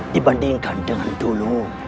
dibandingkan dengan dulu